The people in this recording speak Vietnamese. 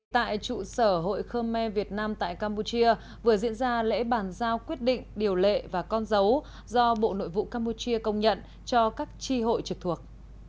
tại trụ sở hội khơ me việt nam tại campuchia vừa diễn ra lễ bàn giao quyết định điều lệ và con dấu do bộ nội vụ campuchia công nhận cho các tri hội trực thuộc